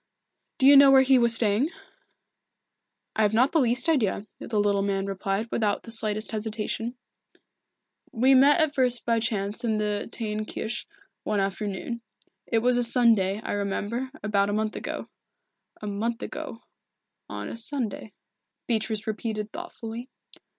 "Do you know where he was staying?" "I have not the least idea," the little man replied, without the slightest hesitation. "We met at first by chance in the Teyn Kirche, one afternoon it was a Sunday, I remember, about a month ago." "A month ago on a Sunday," Beatrice repeated thoughtfully.